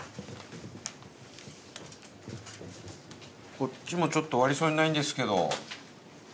こっちもちょっと終わりそうにないんですけど。